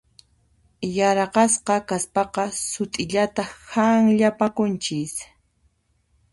Yaraqasqa kaspaqa sut'illata hanllapakunchis.